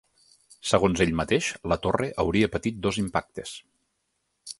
Segons ell mateix, la torre hauria patit dos impactes.